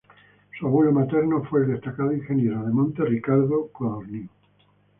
Su abuelo materno fue el destacado ingeniero de montes Ricardo Codorníu.